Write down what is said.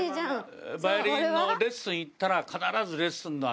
バイオリンのレッスン行ったら必ずレッスンの後ね。